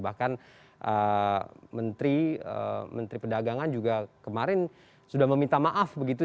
bahkan menteri perdagangan juga kemarin sudah meminta maaf begitu